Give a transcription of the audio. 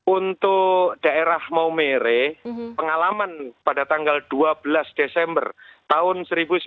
untuk daerah maumere pengalaman pada tanggal dua belas desember tahun seribu sembilan ratus sembilan puluh